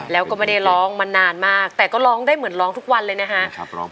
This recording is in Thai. แล้วก็ไม่ได้ร้องมานานมากแต่ก็ร้องได้เหมือนร้องทุกวันเลยนะฮะ